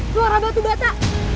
suara batu bata